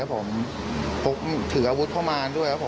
พวกถืออาวุธเพราะมานด้วย